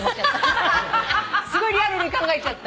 すごいリアルに考えちゃった。